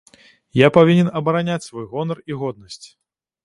Я павінен абараняць свой гонар і годнасць!